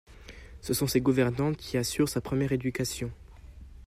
Ce sont ses gouvernantes qui assurent sa première éducation.